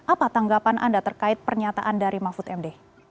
apa tanggapan anda terkait pernyataan dari mahfud md